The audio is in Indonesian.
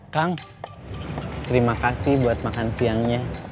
kang terima kasih buat makan siangnya